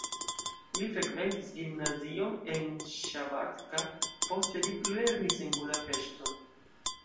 Li frekventis gimnazion en Szabadka, poste li plulernis en Budapeŝto.